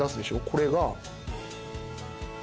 これが。